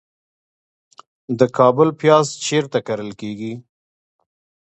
د کابل پیاز چیرته کرل کیږي؟